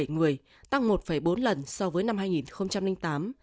ba trăm sáu mươi bảy người tăng một bốn lần so với năm hai nghìn tám